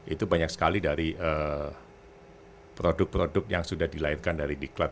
itu banyak sekali dari produk produk yang sudah dilahirkan dari diklat